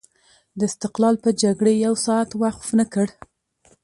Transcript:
د استقلال په جګړې یو ساعت وقف نه کړ.